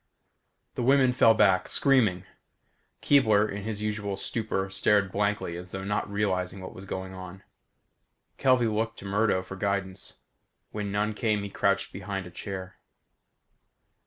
The women fell back, screaming. Keebler, in his usual stupor stared blankly as though not realizing what was going on. Kelvey looked to Murdo for guidance. When none came he crouched behind a chair.